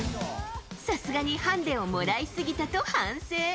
さすがにハンデをもらい過ぎたと反省。